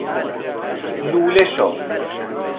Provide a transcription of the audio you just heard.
لوله شو